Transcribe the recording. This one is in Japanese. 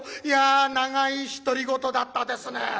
「いや長い独り言だったですね」